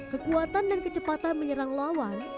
kekuatan dan kecepatan menyerang lawan